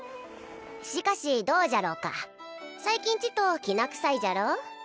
しかしどうじゃろうか最近ちときなくさいじゃろう？